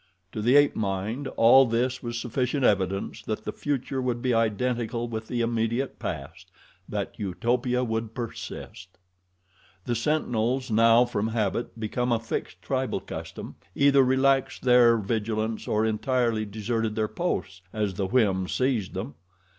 To the ape mind all this was sufficient evidence that the future would be identical with the immediate past that Utopia would persist. The sentinels, now from habit become a fixed tribal custom, either relaxed their vigilance or entirely deserted their posts, as the whim seized them.